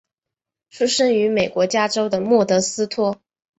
出生于美国加州的莫德斯托。